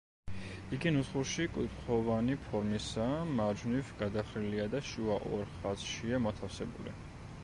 იგი ნუსხურში კუთხოვანი ფორმისაა, მარჯვნივ გადახრილია და შუა ორ ხაზშია მოთავსებული.